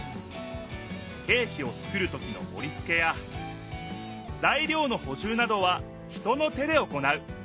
ケーキをつくる時のもりつけやざい料のほじゅうなどは人の手で行う。